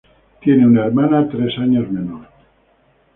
Tiene una hermana tres años menor.